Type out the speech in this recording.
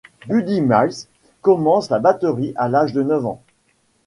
Buddy Miles commence la batterie à l'âge de neuf ans.